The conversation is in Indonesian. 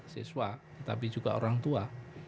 siswa tetapi juga orang tua